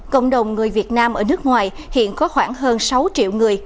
cộng đồng người việt nam ở nước ngoài hiện có khoảng hơn sáu triệu người